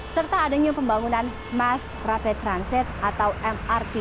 serta adanya pembangunan mass rapid transit atau mrt